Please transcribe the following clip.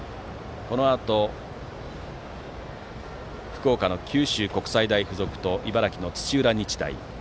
このあと福岡の九州国際大付属と茨城の土浦日大。